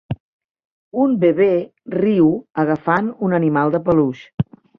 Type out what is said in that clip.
Un bebè riu agafant un animal de peluix.